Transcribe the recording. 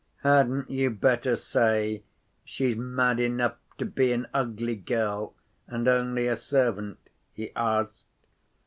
"Hadn't you better say she's mad enough to be an ugly girl and only a servant?" he asked.